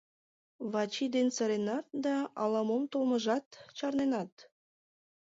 Вачи дене сыренат да, ала-мо толмыжат чарненат.